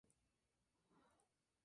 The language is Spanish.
Él tiene un hermano mayor llamado Alex.